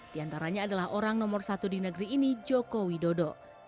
di antaranya adalah orang nomor satu di negeri ini joko widodo